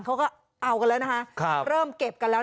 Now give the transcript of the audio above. เขาก็เอากันแล้วนะคะเริ่มเก็บกันแล้ว